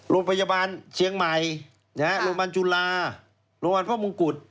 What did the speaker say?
โรงพยาบาลเชียงใหม่โรงพยาบาลจุฬาโรงพยาบาลพ่อมงกุฎ